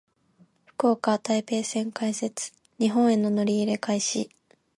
福岡・台北線開設。日本への乗り入れ開始。